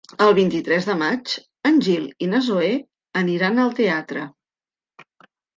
El vint-i-tres de maig en Gil i na Zoè aniran al teatre.